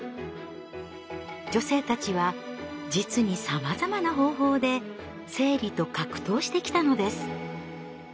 女性たちは実にさまざまな方法で生理と格闘してきたのです。